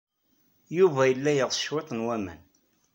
Yuba yella yeɣs cwiṭ n waman.